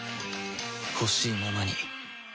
ほしいままに